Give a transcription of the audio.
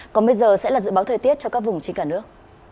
còn bây giờ sẽ là dự báo thời tiết cho các vùng trên cả nước